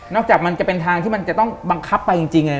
จากมันจะเป็นทางที่มันจะต้องบังคับไปจริง